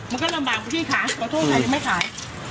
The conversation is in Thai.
มันก็ลำบากพี่ค่ะขอโทษใครยังไม่ขาย